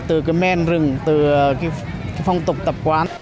từ cái men rừng từ cái phong tục tập quán